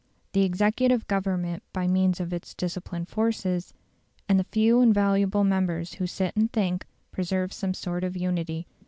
The executive Government by means of its disciplined forces, and the few invaluable members who sit and think, preserves some sort of unity.